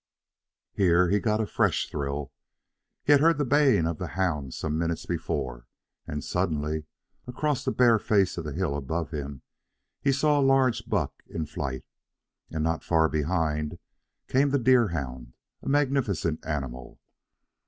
Here he got a fresh thrill. He had heard the baying of the hound some minutes before, and suddenly, across the bare face of the hill above him, he saw a large buck in flight. And not far behind came the deer hound, a magnificent animal.